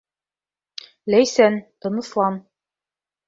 Ләйсән, тыныслан...